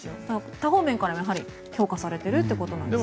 多方面からも評価されているということなんですね。